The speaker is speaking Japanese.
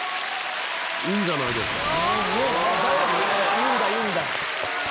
いいんだいいんだ。